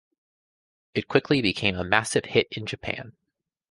It quickly became a massive hit in Japan.